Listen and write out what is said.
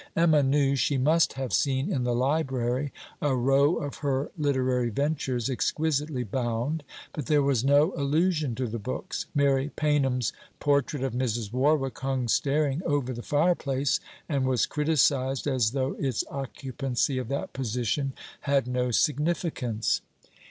Emma knew she must have seen in the library a row of her literary ventures, exquisitely bound; but there was no allusion to the books. Mary Paynham's portrait of Mrs. Warwick hung staring over the fireplace, and was criticized, as though its occupancy of that position had no significance.